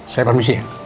saya permisi ya